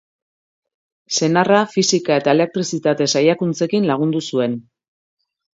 Senarra fisika eta elektrizitate saiakuntzekin lagundu zuen.